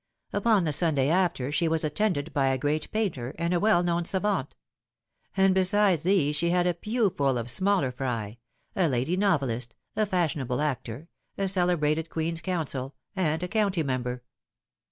Upon the Sunday after she was attended by a great painter and a well known savant ; and besides these she had a pew full of smaller fry a lady novelist, a fashionable actor, a celebrated Queen's Counsel, and a county member.